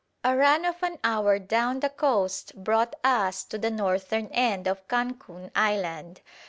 A run of an hour down the coast brought us to the northern end of Cancun Island.